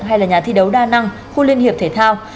hay là nhà thi đấu đa năng khu liên hiệp thể thao